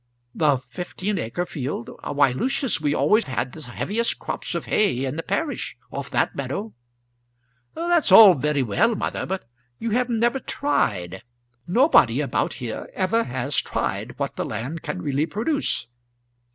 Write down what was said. "The fifteen acre field? Why, Lucius, we always had the heaviest crops of hay in the parish off that meadow." "That's all very well, mother; but you have never tried, nobody about here ever has tried, what the land can really produce.